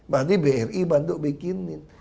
berarti bri bantu bikinin